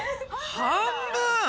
半分！